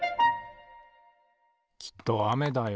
きっとあめだよ。